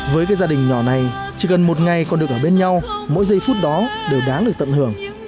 với cái gia đình nhỏ này chỉ gần một ngày còn được ở bên nhau mỗi giây phút đó đều đáng được tận hưởng